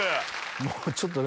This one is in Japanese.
もうちょっとね